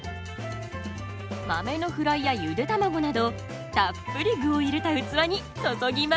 豆のフライやゆで卵などたっぷり具を入れた器に注ぎます。